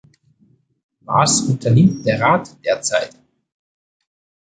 Was unternimmt der Rat derzeit?